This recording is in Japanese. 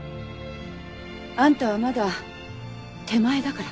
あんたはまだ手前だから。